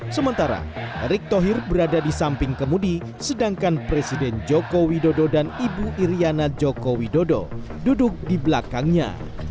sementara erick thohir berada di samping kemudi sedangkan presiden joko widodo dan ibu iryana joko widodo duduk di belakangnya